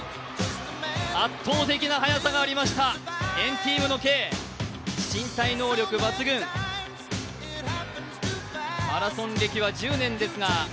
圧倒的な速さがありました、＆ＴＥＡＭのＫ、身体能力抜群、マラソン歴は１０年ですが、